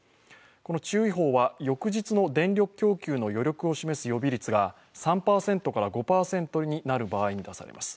この注意報は翌日の電力需給の余力を示す予備率が、３％から５％になる場合に出されます。